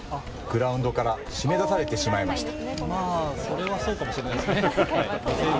グラウンドから締め出されてしまいました。